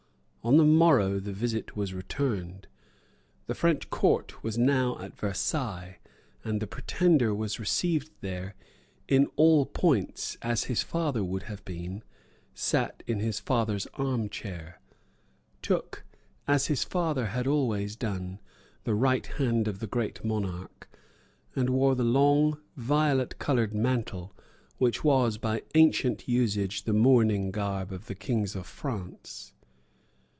On the morrow the visit was returned. The French Court was now at Versailles; and the Pretender was received there, in all points, as his father would have been, sate in his father's arm chair, took, as his father had always done, the right hand of the great monarch, and wore the long violet coloured mantle which was by ancient usage the mourning garb of the Kings of France.